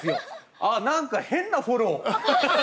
ああ何か変なフォロー。